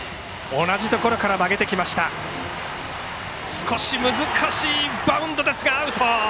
少し難しいバウンドですがアウト！